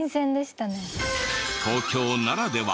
東京ならでは。